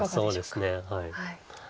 そうですねはい。